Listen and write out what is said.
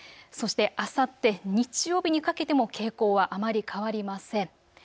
そしてあさって日曜日にかけても傾向はあまり変わりません。